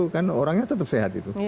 kan orangnya tetap sehat